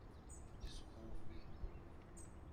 Me desculpe!